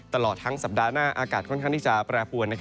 ตลอดทั้งสัปดาห์หน้าอากาศค่อนข้างที่จะแปรปวน